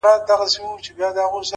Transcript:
تالنده برېښنا يې خوښه سوېده.!